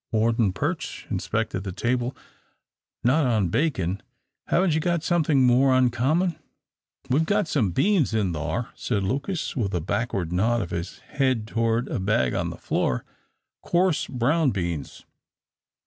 Warden Perch inspected the table. "Not on bacon haven't you got something more uncommon?" "We've got some beans in thar," said Lucas, with a backward nod of his head toward a bag on the floor, "coarse brown beans.